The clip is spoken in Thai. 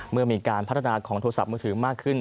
เมื่อมีการพัฒนาของโทรศัพท์มือถือมากขึ้น